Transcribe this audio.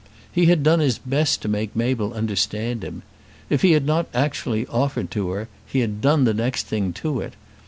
He had done his best to make Mabel understand him. If he had not actually offered to her, he had done the next thing to it.